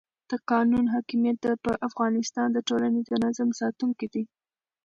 د قانون حاکمیت د افغانستان د ټولنې د نظم ساتونکی دی